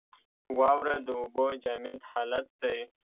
واوره د اوبو جامد حالت دی.